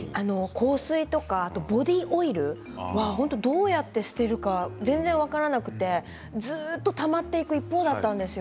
香水とかボディーオイルはどうやって捨てるか全然分からなくてずっとたまっていく一方だったんですよ。